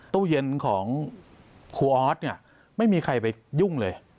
ตู้เย็นของคู่ออสไม่มีใครไปยุ่งเลย